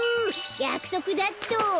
やくそくだ！っと。